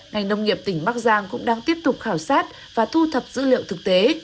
ngành nông nghiệp tỉnh bắc giang cũng đang tiếp tục khảo sát và thu thập dữ liệu thực tế